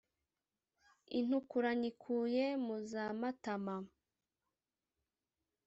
Intukura nyikuye mu za Matama,